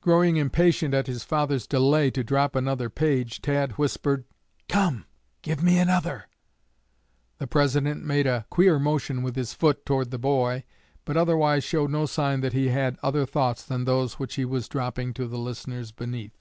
Growing impatient at his father's delay to drop another page, Tad whispered, 'Come, give me another!' The President made a queer motion with his foot toward the boy, but otherwise showed no sign that he had other thoughts than those which he was dropping to the listeners beneath.